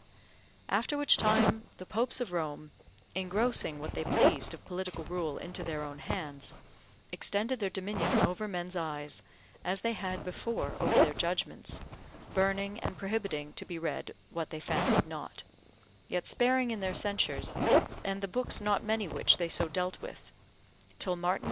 After which time the Popes of Rome, engrossing what they pleased of political rule into their own hands, extended their dominion over men's eyes, as they had before over their judgments, burning and prohibiting to be read what they fancied not; yet sparing in their censures, and the books not many which they so dealt with: till Martin V.